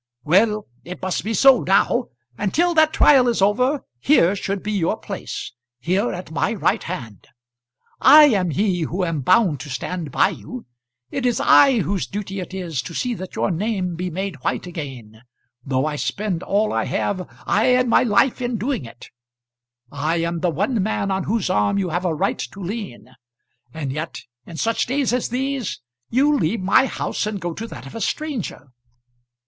"Well; it must be so now. And till that trial is over, here should be your place. Here, at my right hand; I am he who am bound to stand by you. It is I whose duty it is to see that your name be made white again, though I spend all I have, ay, and my life in doing it. I am the one man on whose arm you have a right to lean. And yet, in such days as these, you leave my house and go to that of a stranger."